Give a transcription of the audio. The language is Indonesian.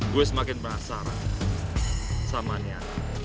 gue semakin penasaran sama nia